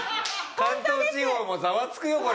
関東地方もざわつくよこれ。